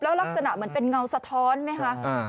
ลักษณะเหมือนเป็นเงาสะท้อนไหมคะ